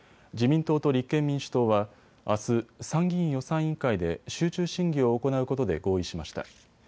自民党と立憲民主党はあす、参議院予算委員会で集中審議を行うことで合意しました。